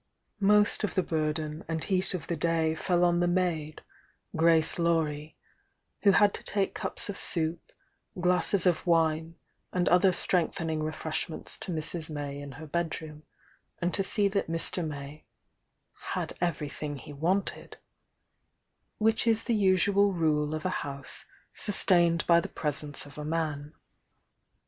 Most of the burden and heat of the day fell on the THE YOUNG DIANA 71 maid, Grace Laurie, who had to take cups of soup, glaaaes of wine, and other strengthening refresh ment to Mrs. May in hrr bedroom, and to see that Mr. May "had everything he wanted," which is the usual rule of a house sustained by the presence of a man.